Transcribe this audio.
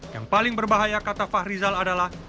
yang paling berbahaya kata fahrizal adalah